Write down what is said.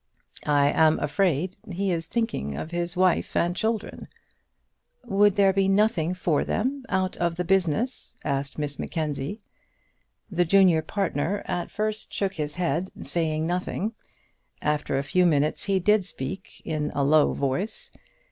"I am afraid he is thinking of his wife and children." "Would there be nothing for them out of the business?" asked Miss Mackenzie. The junior partner at first shook his head, saying nothing. After a few minutes he did speak in a low voice.